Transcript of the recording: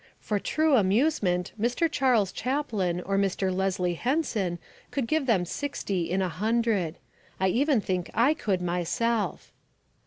For true amusement Mr. Charles Chaplin or Mr. Leslie Henson could give them sixty in a hundred. I even think I could myself.